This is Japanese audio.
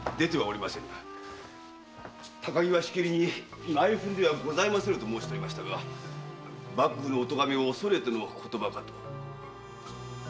高木は「内紛ではございませぬ」としきりに申しておりましたが幕府のお咎めを恐れての言葉かと。